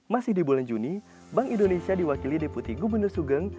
masih di bulan juni bank indonesia diwakili deputi gubernur sugeng